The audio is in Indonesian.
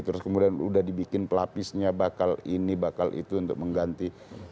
terus kemudian udah dibikin pelapisnya bakal ini bakal itu untuk mengganti